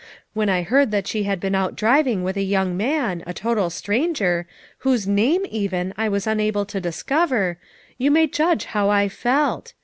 When I heard that she had been out driving with a young man, a total stranger, whose name, even, I was unable to discover, you may judge how I felt.